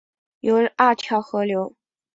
有二条河流